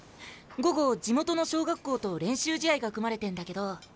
午後地元の小学校と練習試合が組まれてんだけど。